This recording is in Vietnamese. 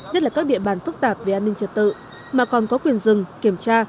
nhất là các địa bàn phức tạp về an ninh trật tự mà còn có quyền dừng kiểm tra